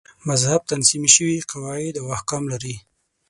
مذهب تنظیم شوي قواعد او احکام لري.